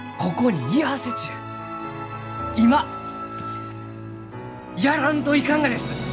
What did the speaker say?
今やらんといかんがです！